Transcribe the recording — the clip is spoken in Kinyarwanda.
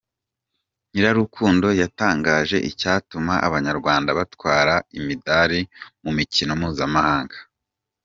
Nyirarukundo yatangaje icyatuma Abanyarwanda batwara imidali mu mikino mpuzamahanga.